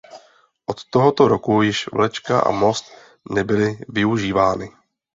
Od tohoto roku již vlečka a most nebyly využívány.